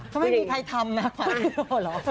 ก็ไม่มีใครทำนะคะ